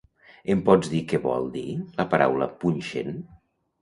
Em pots dir què vol dir la paraula punxent?